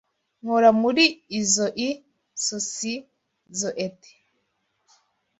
Nkora muri izoi sosizoete.